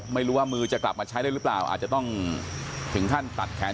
ไม่รู้ว่ามือจะกลับมาใช้ได้หรือเปล่าอาจจะต้องถึงขั้นตัดแขน